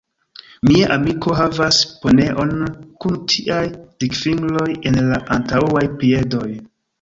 Mia amiko havas poneon kun tiaj dikfingroj en la antaŭaj piedoj.